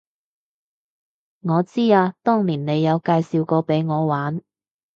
我知啊，當年你有介紹過畀我玩